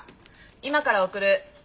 今から送る。